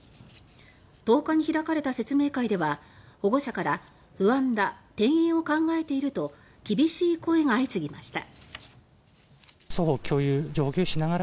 １０日に開かれた説明会では保護者から「不安だ」「転園を考えている」など厳しい声が相次ぎました。